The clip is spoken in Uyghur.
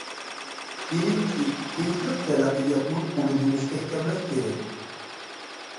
بىرىنچى، تىنچلىق، تەرەققىياتنىڭ ئۇلىنى مۇستەھكەملەش كېرەك.